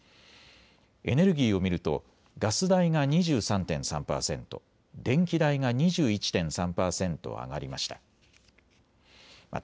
エネルギーを見るとガス代が２３．３％、電気代が２１．３％上がりました。